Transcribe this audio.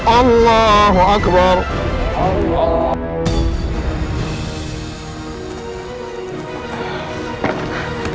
allah akbar allah